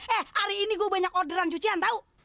eh hari ini gue banyak orderan cucian tahu